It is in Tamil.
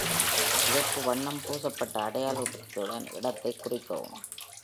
சிவப்பு வண்ணம் பூசப்பட்ட அடையாளத்துடன் இடத்தைக் குறிக்கவும்.